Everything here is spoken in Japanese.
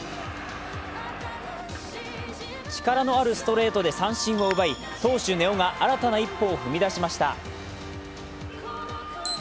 力のあるストレートで三振を奪い、投手・根尾が新たな一歩を踏み出しました。